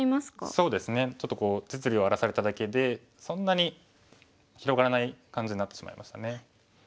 そうですねちょっと実利を荒らされただけでそんなに広がらない感じになってしまいましたね。